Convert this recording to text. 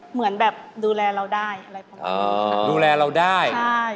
เหมือนแบบดูแลเราได้อะไรพวกนี้ดูแลเราได้